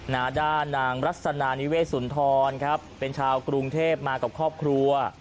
นาด้านนางรัศนานิเวศสุนทรครับเป็นชาวกรุงเทพมากับครอบครัว